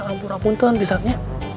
ampura buntang disaatnya